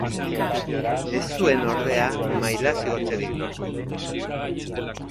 Ez zuen ordea mailaz igotzerik lortu.